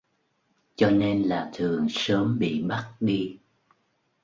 cho nên là thường sớm bị bắt đi